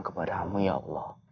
kepada mu ya allah